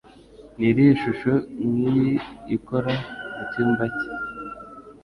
Ni irihe shusho nkiyi ikora mucyumba cya ?